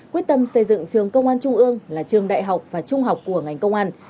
quyết tâm xây dựng trường công an trung ương là trường đại học và trung học của ngành công an